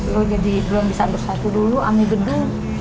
lo jadi belum bisa bersatu dulu amigedu